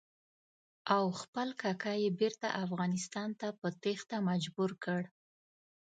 او خپل کاکا یې بېرته افغانستان ته په تېښته مجبور کړ.